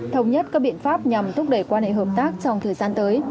thống nhất các biện pháp nhằm thúc đẩy quan hệ hợp tác trong thời gian tới